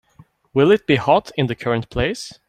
Will it be hot in the current place?